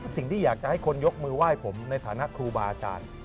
สิ่งที่อยากจะให้คนยกมือไหว้ผมในฐานะครูบาอาจารย์